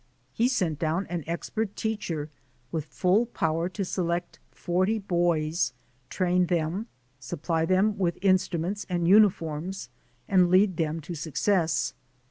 He sent down an expert teacher with full power to select forty boys, train them, supply THE CALL OF THE SEA 47 them with instruments and uniforms, and lead them to success.